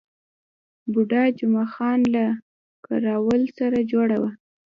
بوډا جمعه خان له کراول سره جوړه وه.